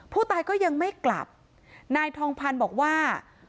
ผู้ตายก็ยังไม่กลับนายทองพันธ์บอกว่า